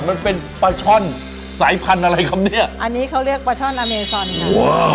มันเป็นปลาช่อนสายพันธุ์อะไรครับเนี่ยอันนี้เขาเรียกปลาช่อนอเมซอนค่ะ